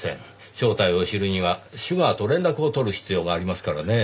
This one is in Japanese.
正体を知るにはシュガーと連絡を取る必要がありますからねぇ。